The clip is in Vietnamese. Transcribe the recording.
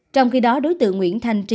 trong khi đó đối tượng nguyễn thanh trí